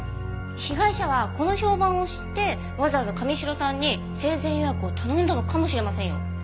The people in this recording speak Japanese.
被害者はこの評判を知ってわざわざ神城さんに生前予約を頼んだのかもしれませんよ。